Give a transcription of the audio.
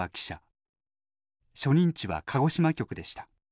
初任地は鹿児島局でした。